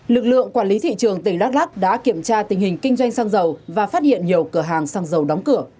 lực lượng quản lý thị trường tỉnh đắk lắc đã kiểm tra tình hình kinh doanh xăng dầu và phát hiện nhiều cửa hàng xăng dầu đóng cửa